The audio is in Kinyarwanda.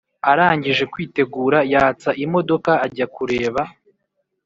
arangije kwitegura yatsa imodoka ajya kureba